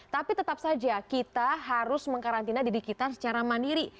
tapi tetap saja kita harus mengkarantina di digital secara mandiri